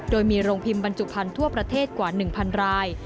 โดยมีโรงพิมพ์บรรจุภัณฑ์ทั่วประเทศกว่า๑๐๐ราย